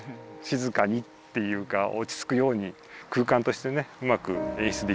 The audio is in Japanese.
しずかにっていうかおちつくように空間としてねうまくえん